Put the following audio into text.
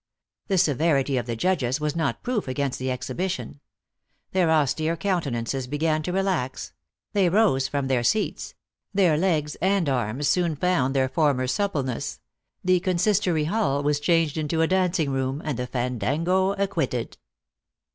The severity of the judges was not proof against the exhibition. Their austere countenances began to re lax ; they rose from their seats ; their legs and arms soon found their former suppleness ; the consistory hall was changed into a dancing room, and the fan dango acquitted.